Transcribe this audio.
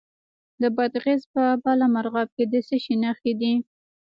د بادغیس په بالامرغاب کې د څه شي نښې دي؟